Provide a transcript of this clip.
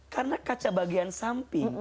karena kaca bagian samping